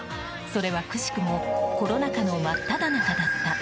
それはくしくもコロナ禍の真っただ中だった。